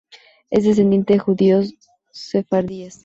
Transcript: Es descendiente de judíos sefardíes.